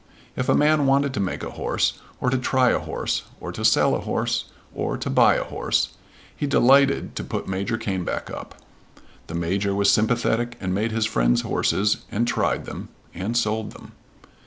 If a man wanted to make a horse, or to try a horse, or to sell a horse, or to buy a horse, he delighted to put Major Caneback up. The Major was sympathetic and made his friend's horses, and tried them, and sold them.